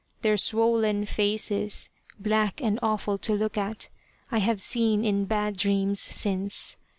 Their swollen faces, black and awful to look at, I have seen in bad dreams since.